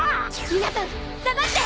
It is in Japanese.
皆さん下がって！